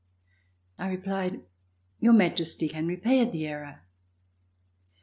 I replied, "Your Majesty can repair the error.'